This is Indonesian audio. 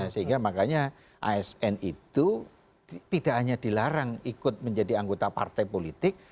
sehingga makanya asn itu tidak hanya dilarang ikut menjadi anggota partai politik